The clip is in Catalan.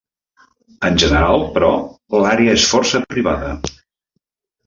En general, però, l'àrea és força privada.